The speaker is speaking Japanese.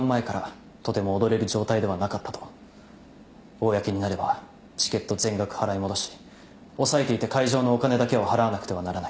公になればチケット全額払い戻し押さえていた会場のお金だけは払わなくてはならない。